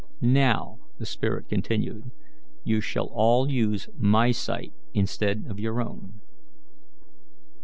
Now," the spirit continued, "you shall all use my sight instead of your own."